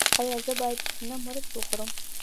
ایا زه باید شنه مرچ وخورم؟